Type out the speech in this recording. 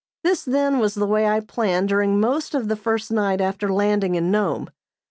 This, then, was the way I planned during most of the first night after landing at Nome.